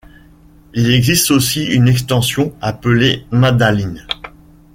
Il existe aussi une extension appelée Madaline.